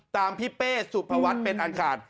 ตามพิเบสุภวัติเป็นอันขาด